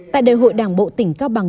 tại đời hội đảng bộ tỉnh cao bằng